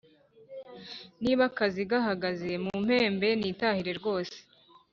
Niba akazi gahagaze mumpembe nitahire rwose